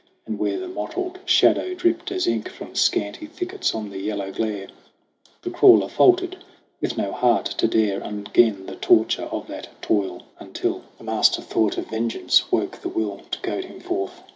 And where the mottled shadow dripped as ink From scanty thickets on the yellow glare, The crawler faltered with no heart to dare Again the torture of that toil, until THE CRAWL 39 The master thought of vengeance 'woke the will To goad him forth.